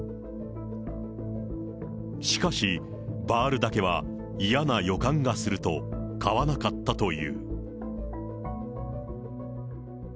しかし、バールだけは嫌な予感がすると買わなかったという。